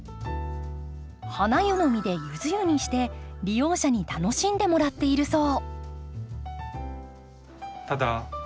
ハナユの実でユズ湯にして利用者に楽しんでもらっているそう。